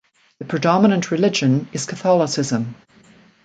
The predominant religion is Catholicism.